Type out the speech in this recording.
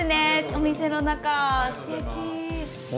お店の中、すてき。